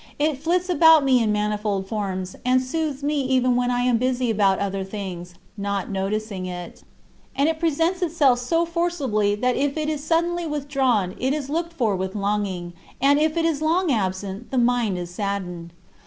It flits about me in manifold forms and soothes me even when I am busy about other things, not noticing it. And it presents itself so forcibly that if it is suddenly withdrawn it is looked for with longing, and if it is long absent the mind is saddened.